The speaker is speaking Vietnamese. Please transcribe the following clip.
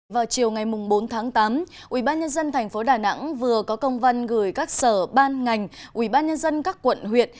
vào chiều ngày bốn tháng tám ubnd tp đà nẵng vừa có công văn gửi các sở ban ngành ubnd các quận huyện